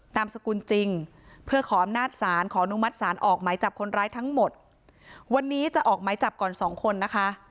สกุลจริงเพื่อขออำนาจศาลขออนุมัติศาลออกหมายจับคนร้ายทั้งหมดวันนี้จะออกหมายจับก่อนสองคนนะคะ